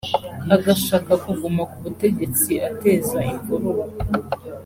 agashaka kuguma ku butegetsi ateza imvururu